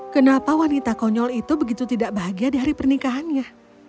kenapa wanita konyol itu begitu tidak bahagia di hari pernikahannya